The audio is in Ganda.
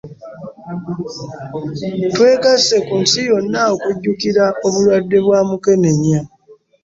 Twegase ku nsi yonna okujjuukira obulwadde bwa mukenenya.